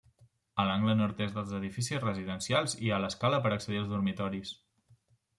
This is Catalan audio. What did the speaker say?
A l'angle nord-est dels edificis residencials hi ha l'escala per accedir als dormitoris.